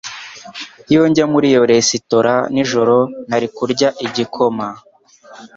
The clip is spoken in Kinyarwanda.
Iyo njya muri iyo resitora nijoro, nari kurya igikoma.